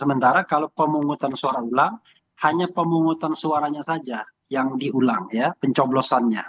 sementara kalau pemungutan suara ulang hanya pemungutan suaranya saja yang diulang ya pencoblosannya